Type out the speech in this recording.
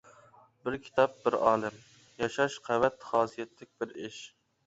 «بىر كىتاب بىر ئالەم» ياشاش قەۋەت خاسىيەتلىك بىر ئىش.